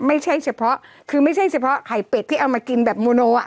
ไม่ใช่เฉพาะคือไม่ใช่เฉพาะไข่เป็ดที่เอามากินแบบโมโนอ่ะ